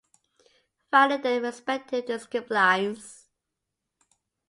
Final in their respective disciplines.